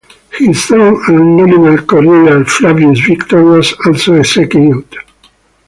His son and nominal co-ruler Flavius Victor was also executed.